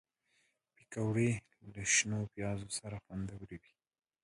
پکورې له شنو پیازو سره خوندورې وي